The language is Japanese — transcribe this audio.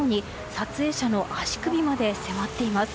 撮影者の足首まで迫っています。